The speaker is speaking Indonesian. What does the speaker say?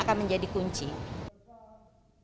dan menggunakan perlindungan perlindungan perkosaan